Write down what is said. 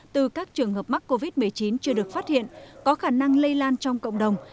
từ các trường hợp mắc covid một mươi chín chưa được phát hiện có khả năng lây lan trong cộng đồng